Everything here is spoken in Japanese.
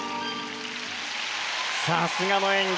さすがの演技。